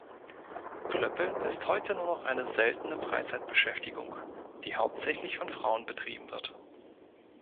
Klöppeln ist heute nur noch eine seltene Freizeitbeschäftigung, die hauptsächlich von Frauen betrieben wird.